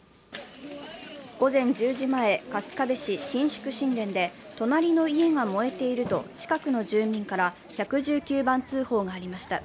午前１０時前、春日部市新宿新田で隣の家が燃えていると近くの住民から１１９番通報がありました。